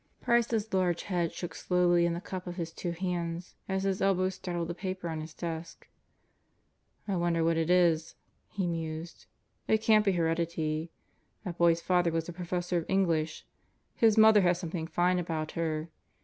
Price's large head shook slowly in the cup of his two hands as his elbows straddled the paper on his desk. "I wonder what it is," he mused, "It can't be heredity. That boy's father was a professor of English. His mother has something fine about her.